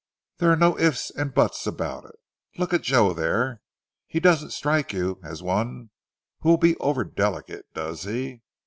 There are no ifs and buts about it. Look at Joe there. He doesn't strike you as one who will be over delicate, does he?